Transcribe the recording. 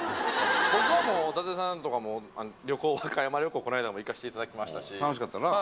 僕はもう、伊達さんとか、旅行、和歌山旅行、この間も行かせてい楽しかったな。